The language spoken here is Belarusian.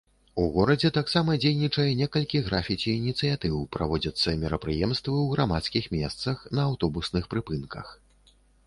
У горадзе таксама дзейнічае некалькі графіці-ініцыятыў, праводзяцца мерапрыемствы ў грамадскіх месцах, на аўтобусных прыпынках.